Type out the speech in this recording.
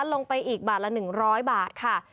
ลงไปอีกบาทละ๑๐๐บาทค่ะ